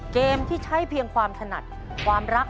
เกมที่ใช้เพียงความถนัดความรัก